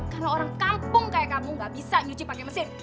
karena orang kampung kayak kamu gak bisa nyuci pakai mesin